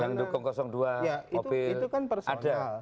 yang dukung dua mobil ada